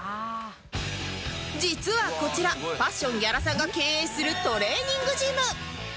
実はこちらパッション屋良さんが経営するトレーニングジム